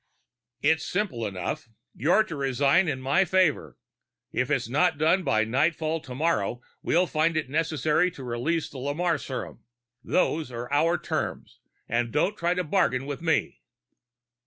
"It's simple enough. You're to resign in my favor. If it's not done by nightfall tomorrow, we'll find it necessary to release the Lamarre serum. Those are our terms, and don't try to bargain with me."